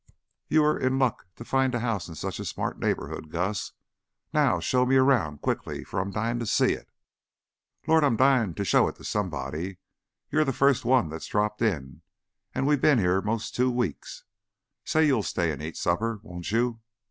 "You were in luck to find a house in such a smart neighborhood, Gus. Now show me around, quickly, for I'm dying to see it." "Lord, I'm dyin' to show it to somebody! You're the first one that's dropped in an' we been here 'most two weeks. Say, you'll stay an' eat supper, won't you?"